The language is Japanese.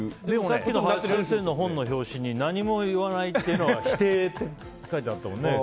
さっきの先生の本の表紙に何も言わないっていうのは否定って書いてあったもんね。